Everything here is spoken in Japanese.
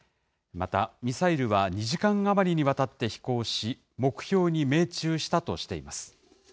また、ミサイルは２時間余りにわたって飛行し、目標に命中したとしています。